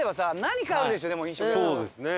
そうですね。